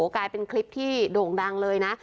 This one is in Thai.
กลายเป็นคลิปที่โด่งดังเลยนะ